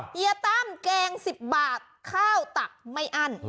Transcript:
เฮียตั้มแกง๑๐บาทข้าวตักไม่อั้น